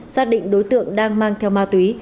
xác định đối tượng đang mang theo ma túy